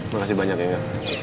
makasih banyak ya mio